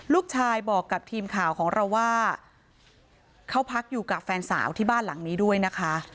ลูกชายบอกกับทีมข่าวของเราว่าเขาพักอยู่กับแฟนสาวที่บ้านหลังนี้ด้วยนะคะ